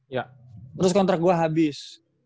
ya terus kontrak gue habis